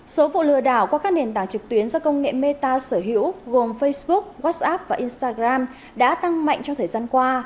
số vụ lừa đảo qua các nền tảng trực tuyến do công nghệ meta sở hữu gồm facebook whatsapp và instagram đã tăng mạnh trong thời gian qua